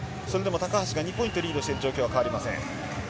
高橋が２ポイント、リードしてる状態は変わりません。